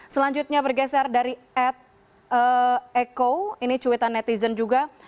selanjutnya bergeser dari ed eko ini cuitan netizen juga